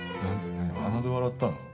何鼻で笑ったの？